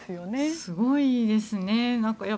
すごいですね。